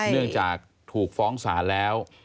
เนื่องจากถูกฟ้องศาลแล้ว